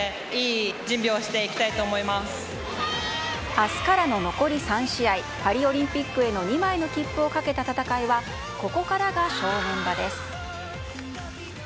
明日からの残りの３試合パリオリンピックへの２枚の切符をかけた戦いはここからが正念場です。